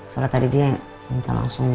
soalnya tadi dia minta langsung